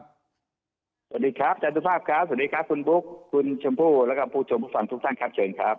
สวัสดีครับจันทุภาพครับสวัสดีครับคุณปุ๊กคุณชมพู่และคุณผู้ชมฟังทุกท่านครับ